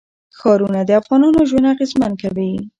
ښارونه د افغانانو ژوند اغېزمن کوي.